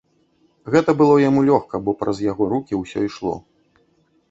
Гэта было яму лёгка, бо праз яго рукі ўсё ішло.